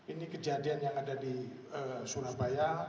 ini kejadian yang ada di surabaya